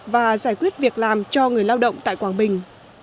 và giải quyết việc làm cho người lao động tại quảng bình